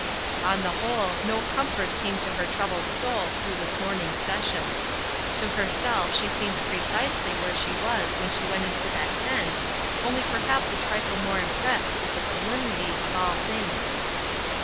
On the whole, no comfort came to her troubled soul through this morning session. To herself she seemed precisely where she was when she went into that tent, only perhaps a trifle more impressed with the solemnity of all things.